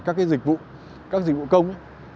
các cái dịch vụ các dịch vụ công